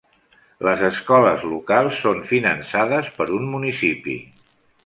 Les escoles locals són finançades per un municipi.